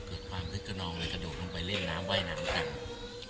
เกิดความนึกนองและกระดูกลงไปเล่นน้ำว่ายน้ำต่าง